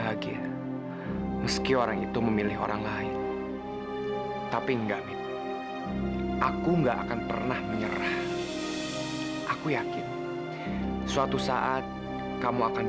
sampai jumpa di video selanjutnya